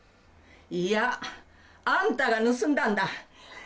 いやあんたが盗んだんだ。